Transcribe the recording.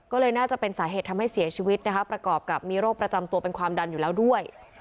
ก็เลยน่าจะเป็นสาเหตุทำให้เสียชีวิตนะคะประกอบกับมีโรคประจำตัวเป็นความดันอยู่แล้วด้วย